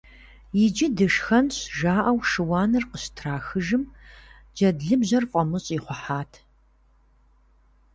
Иджы дышхэнщ! - жаӀэу шыуаныр къыщытрахыжым, джэдлыбжьэр фӀамыщӀ ихъухьат.